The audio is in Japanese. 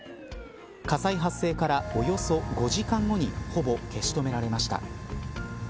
火災発生からおよそ５時間後にほぼ消し止められました。